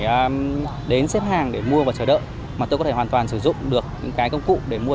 để đến xếp hàng để mua và chờ đợi mà tôi có thể hoàn toàn sử dụng được những cái công cụ để mua